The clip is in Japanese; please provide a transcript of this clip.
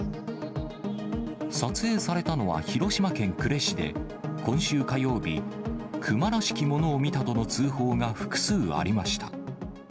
撮影されたのは広島県呉市で、今週火曜日、クマらしきものを見たとの通報が複数ありました。